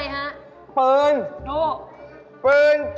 มึงพี่ไม่แพง